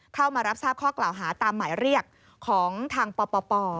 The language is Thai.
เข้ามารับทราบข้อกล่าวหาตามหมายเรียกของทางปป